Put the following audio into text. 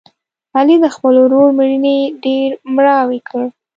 علي د خپل ورور مړینې ډېر مړاوی کړ.